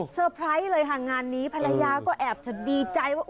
ไพรส์เลยค่ะงานนี้ภรรยาก็แอบจะดีใจว่า